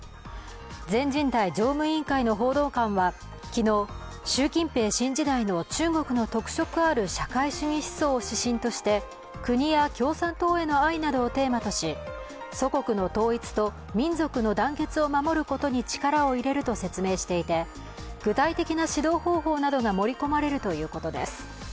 全人代常務委員会の報道官は昨日、習近平新時代の中国の特色ある社会主義思想を指針として国や共産党への愛などをテーマとし祖国の統一と民族の団結を守ることに力を入れると説明していて具体的な指導方法などが盛り込まれるということです。